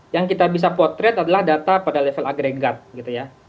yang kita bisa potret adalah data pada level agregat gitu ya